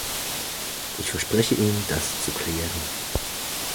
Ich verspreche Ihnen, das zu klären.